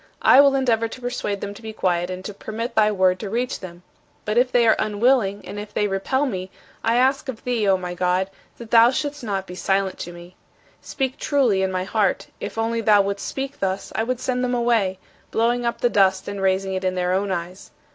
I will endeavor to persuade them to be quiet and to permit thy word to reach them. But if they are unwilling, and if they repel me, I ask of thee, O my God, that thou shouldst not be silent to me. Speak truly in my heart; if only thou wouldst speak thus, I would send them away, blowing up the dust and raising it in their own eyes.